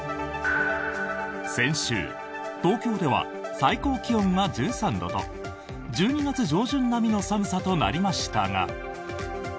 先週、東京では最高気温が１３度と１２月上旬並みの寒さとなりましたが。